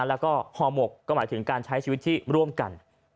แล้วก็ฮหมกก็หมายถึงการใช้ชีวิตที่ร่วมกัน